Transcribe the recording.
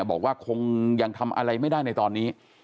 บอกว่าคงยังทำอะไรไม่ได้ในตอนนี้